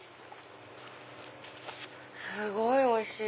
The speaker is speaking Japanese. すごいおいしい！